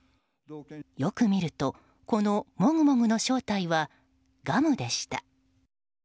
よく見ると、このモグモグの正体はガムでした。